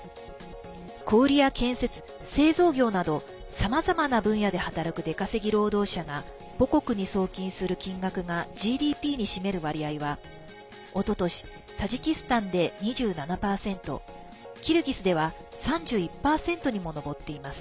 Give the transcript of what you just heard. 小売や建設、製造業などさまざまな分野で働く出稼ぎ労働者が母国に送金する金額がＧＤＰに占める割合はおととし、タジキスタンで２７％キルギスでは３１％にも上っています。